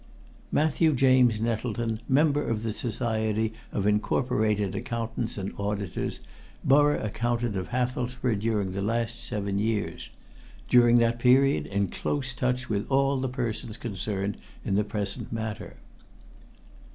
Matthew James Nettleton, Member of the Society of Incorporated Accountants and Auditors. Borough Accountant of Hathelsborough during the last seven years. During that period in close touch with all the persons concerned in the present matter.